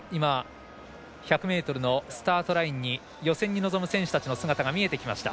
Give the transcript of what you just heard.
１００ｍのスタートラインに予選に臨む選手の姿が見えてきました。